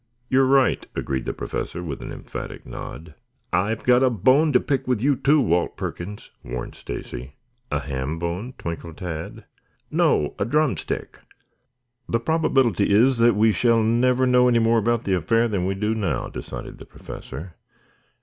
"You're right," agreed the Professor with an emphatic nod. "I've got a bone to pick with you, too, Walt Perkins," warned Stacy. "A ham bone?" twinkled Tad. "No, a drumstick." "The probability is that we shall never know any more about the affair than we do now," decided the Professor.